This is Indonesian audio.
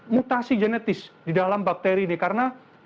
mutasi genetis di dalam bakteri ini karena